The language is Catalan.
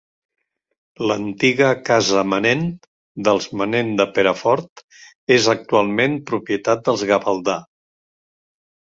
L'antiga casa Manent, dels Manent de Perafort, és actualment propietat dels Gavaldà.